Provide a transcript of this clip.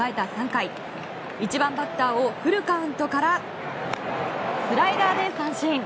３回１番バッターをフルカウントからスライダーで三振。